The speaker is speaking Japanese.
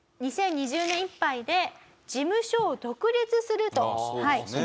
２０２０年いっぱいで事務所を独立すると決めました。